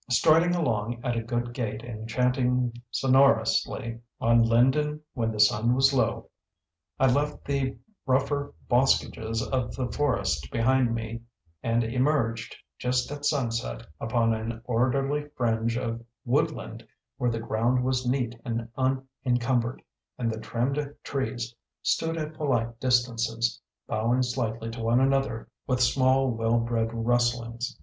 Striding along at a good gait and chanting sonorously, "On Linden when the sun was low," I left the rougher boscages of the forest behind me and emerged, just at sunset, upon an orderly fringe of woodland where the ground was neat and unencumbered, and the trimmed trees stood at polite distances, bowing slightly to one another with small, well bred rustlings.